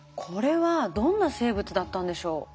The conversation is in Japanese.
これはどんな生物だったんでしょう？